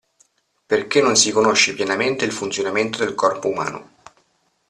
Perché non si conosce pienamente il funzionamento del corpo umano.